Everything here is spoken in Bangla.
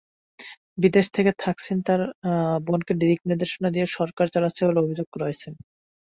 বিদেশ থেকে থাকসিন তাঁর বোনকে দিকনির্দেশনা দিয়ে সরকার চালাচ্ছে বলে অভিযোগ রয়েছে।